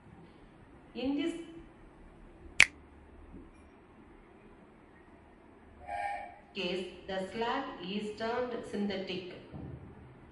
In this case, the slag is termed "synthetic".